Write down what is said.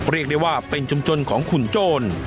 เรียกได้ว่าเป็นชุมชนของขุนโจร